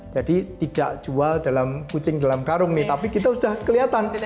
tidak jual dalam kucing dalam karung nih tapi kita sudah kelihatan